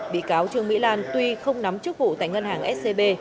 bị cáo trương mỹ lan tuy không nắm chức vụ tại ngân hàng scb